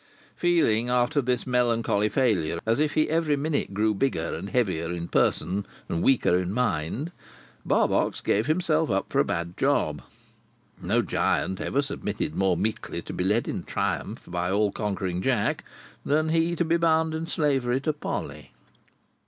Feeling, after this melancholy failure, as if he every minute grew bigger and heavier in person, and weaker in mind, Barbox gave himself up for a bad job. No giant ever submitted more meekly to be led in triumph by all conquering Jack, than he to be bound in slavery to Polly.